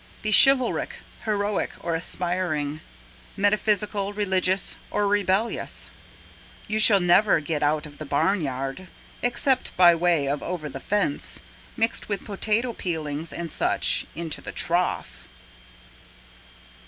Be chivalric, heroic, or aspiring, Metaphysical, religious, or rebellious, You shall never get out of the barnyard Except by way of over the fence Mixed with potato peelings and such into the trough!